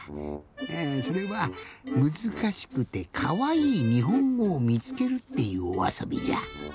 えそれは「むずかしくてかわいいにほんごをみつける」っていうおあそびじゃ。